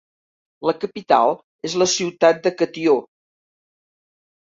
La capital és la ciutat de Catió.